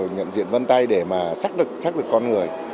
nhận diện vân tay để xác lực con người